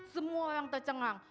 semua orang tercengang